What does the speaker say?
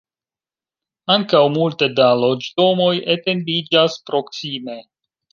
Ankaŭ multe da loĝdomoj etendiĝas proksime.